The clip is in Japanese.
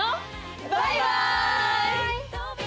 バイバイ！